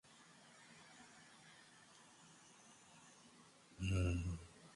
wakumbaliane wamsome mwalimu jinsi anavyotaka msimamo wake